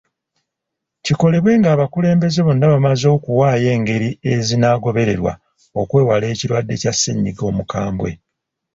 Kikolebwe nga abakulembeze bonna bamaze okuwaayo engeri ezinagobererwa okwewala ekirwadde kya ssennyiga omukambwe.